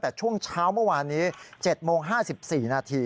แต่ช่วงเช้าเมื่อวานนี้๗โมง๕๔นาที